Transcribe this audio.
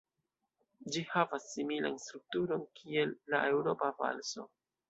Ĝi havas similan strukturon kiel la Eŭropa valso.